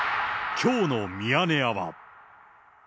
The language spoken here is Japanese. きょうのミヤネ屋は。